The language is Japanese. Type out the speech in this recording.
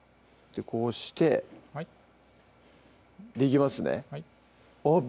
こうしてできますねあっ